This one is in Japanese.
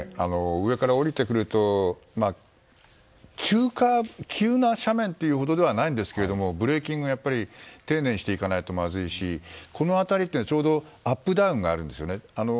上から降りてくると急な斜面というほどではないんですけどブレーキングを丁寧にしないとまずいしこの辺りはちょうどアップダウンがあるんですよね。